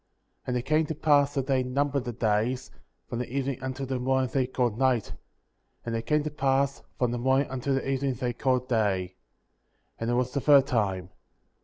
*' 13. And it came to pass that they numbered the days ; from the evening until the morning they called night; and it came to pass, from the morning until the evening they called day; and it was the third time.'